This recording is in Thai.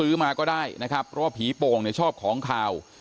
มาก็ได้นะครับเพราะว่าผีโป่งเนี่ยชอบของขาว